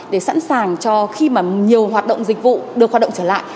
để sẵn sàng cho khi mà nhiều hoạt động dịch vụ được hoạt động trở lại